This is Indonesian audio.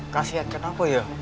kasian kenapa ya